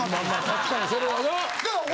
確かにそれはな。